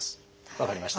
分かりました。